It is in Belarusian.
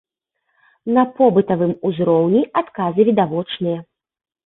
На побытавым узроўні адказы відавочныя.